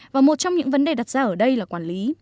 và một trong những vấn đề đặt ra ở đây là quản lý